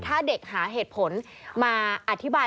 ถ้าเด็กหาเหตุผลมาอธิบาย